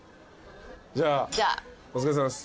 じゃあお疲れさまです。